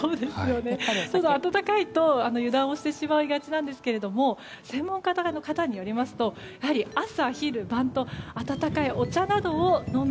暖かいと油断をしてしまいがちなんですが専門家の方によりますとやはり朝昼晩と温かいお茶などを飲む。